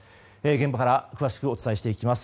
現場から詳しくお伝えしていきます。